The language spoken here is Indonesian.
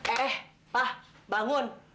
eh pak bangun